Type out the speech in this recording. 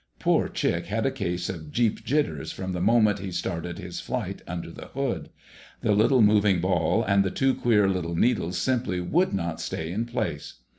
Poor Chick had a case of "Jeep jitters" from the moment he started his "flight" under the hood. The little moving ball and the two queer little needles simply would not stay in place.